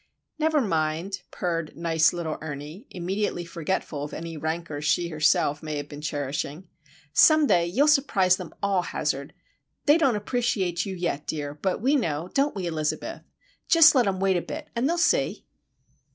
"Never mind," purred nice little Ernie, immediately forgetful of any rancour she herself may have been cherishing. "Some day you'll surprise them all, Hazard. They don't appreciate you yet, dear,—but we know, don't we, Elizabeth? Just let 'em wait a bit, and they'll see!"